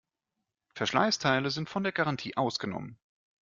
Verschleißteile sind von der Garantie ausgenommen.